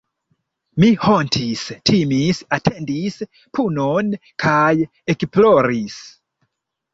Mi hontis, timis, atendis punon kaj ekploris.